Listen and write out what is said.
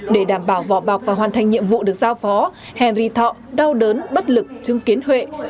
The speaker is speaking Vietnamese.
để đảm bảo vỏ bọc và hoàn thành nhiệm vụ được giao phó henry thọ đau đớn bất lực chứng kiến huệ